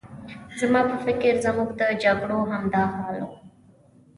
زما په فکر زموږ د جګړو همدا حال و.